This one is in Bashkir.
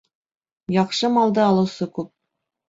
Яҡшы малды алыусы күп.